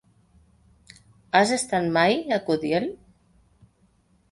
Has estat mai a Caudiel?